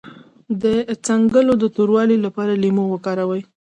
د څنګلو د توروالي لپاره لیمو وکاروئ